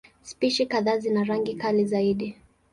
Spishi kadhaa zina rangi kali zaidi.